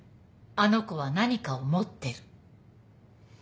あの子は何かを持ってる。